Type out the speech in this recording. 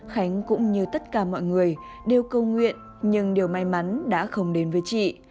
khánh cũng như tất cả mọi người đều cầu nguyện nhưng điều may mắn đã không đến với chị